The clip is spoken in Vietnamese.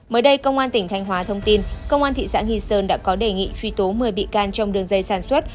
mới đây công an tỉnh thanh hóa thông tin công an thị xã nghi sơn đã có đề nghị truy tố một mươi bị can trong đường dây sản xuất